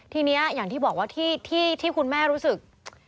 ทีนี้อย่างที่บอกว่าที่คุณแม่รู้สึก